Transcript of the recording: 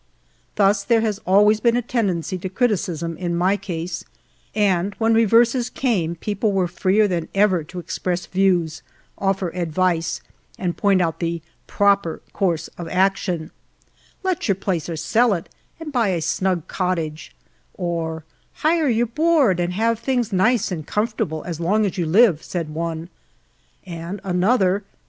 Thus there has always been a tendency to criticism in my case, and when reverses came people were freer than ever to express views, offer advice, and point out the proper course of action, •" Let your place, or sell it, and buy a snug cottage ;" or ''hire your board, and have things nice and comfortable as long as you live,'' said one ; and another : HALE A DIME A DAY.